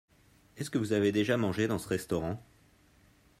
Est-ce que vous avez déjà mangé dans ce restaurant ?